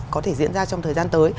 có thể diễn ra trong thời gian tới